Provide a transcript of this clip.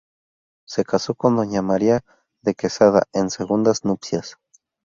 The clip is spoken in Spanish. Se casó con Doña María de Quesada en segundas nupcias.